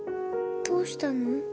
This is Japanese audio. どうしたの？